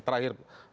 terakhir pak marlis